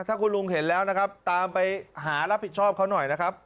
ถ้าคุณลุงเห็นแล้วนะครับตามไปหารับผิดชอบเขาหน่อยนะครับ